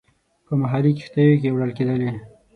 په محلي کښتیو کې وړل کېدلې.